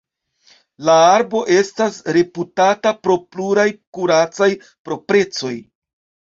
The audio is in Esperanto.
La arbo estas reputata pro pluraj kuracaj proprecoj.